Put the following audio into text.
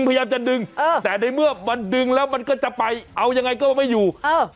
พยายามจะดึงเออแต่ในเมื่อมันดึงแล้วมันก็จะไปเอายังไงก็ไม่อยู่เออ